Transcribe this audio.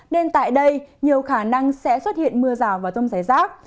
nên tại đây nhiều khả năng sẽ xuất hiện mưa rào và rông rải rác